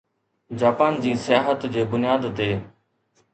Japan جي سياحت جي بنياد تي